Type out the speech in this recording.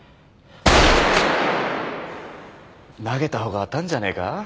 投げた方が当たんじゃねえか？